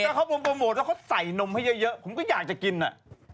แล้วเขาโปรโมทแล้วเขาใส่นมให้เยอะผมก็อยากจะกินน่ะ